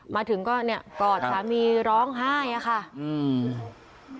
มาถึงก็เนี่ยกอดสามีร้องไห้อะค่ะอืม